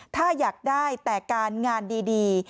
ถ้าอยากได้แต่การงานดี